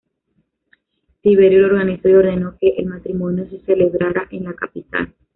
Tiberio lo organizó y ordenó que el matrimonio se celebrara en la capital.